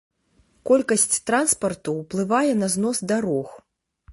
Колькасць транспарту ўплывае на знос дарог.